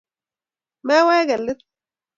Mewege let